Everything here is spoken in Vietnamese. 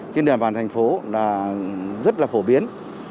trên địa bàn thành phố là rất là phổ biến